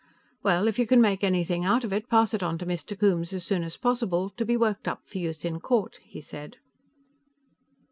"Well, if you can make anything out of it, pass it on to Mr. Coombes as soon as possible, to be worked up for use in court," he said.